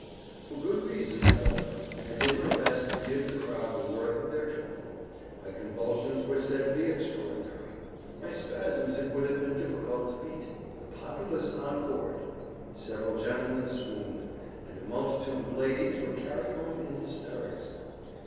For good reasons, however, I did my best to give the crowd the worth of their trouble. My convulsions were said to be extraordinary. My spasms it would have been difficult to beat. The populace encored. Several gentlemen swooned; and a multitude of ladies were carried home in hysterics.